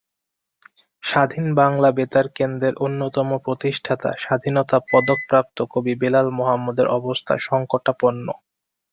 স্বাধীন বাংলা বেতার কেন্দ্রের অন্যতম প্রতিষ্ঠাতা স্বাধীনতা পদকপ্রাপ্ত কবি বেলাল মোহাম্মদের অবস্থা সংকটাপন্ন।